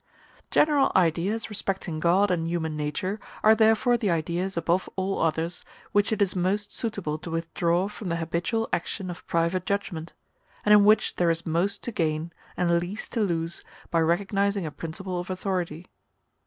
General ideas respecting God and human nature are therefore the ideas above all others which it is most suitable to withdraw from the habitual action of private judgment, and in which there is most to gain and least to lose by recognizing a principle of authority.